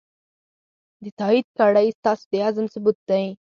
د تایید لړۍ ستاسو د عزم ثبوت دی.